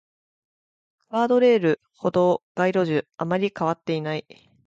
ガードレール、歩道、街路樹、あまり変わっていない